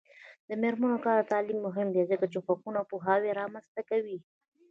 د میرمنو کار او تعلیم مهم دی ځکه چې حقونو پوهاوی رامنځته کوي.